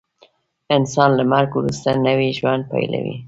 انسان له مرګ وروسته نوی ژوند پیلوي